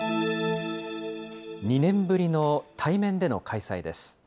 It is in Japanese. ２年ぶりの対面での開催です。